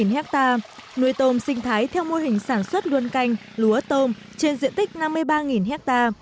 ha nuôi tôm sinh thái theo mô hình sản xuất luôn canh lúa tôm trên diện tích năm mươi ba ha